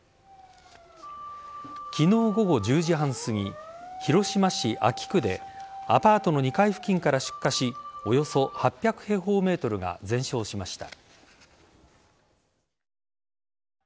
昨日午後１０時半すぎ広島市安芸区でアパートの２階付近から出火しおよそ８００平方ｍが全焼しました。